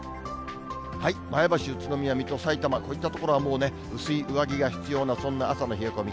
前橋、宇都宮、水戸、さいたま、こういった所はもう、薄い上着が必要な、そんな朝の冷え込み。